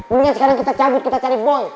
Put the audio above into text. mendingan sekarang kita cabut kita cari bol